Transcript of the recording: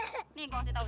siapa juga yang gak tau